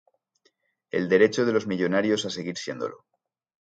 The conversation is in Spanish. el derecho de los millonarios a seguir siéndolo